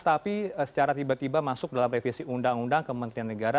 tapi secara tiba tiba masuk dalam revisi undang undang kementerian negara